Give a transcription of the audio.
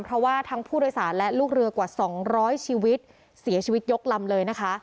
เพราะว่าทั้งผู้โดยสารและลูกเรือกว่า๒๐๐ชีวิตเสียชีวิตยกลำเลยนะคะ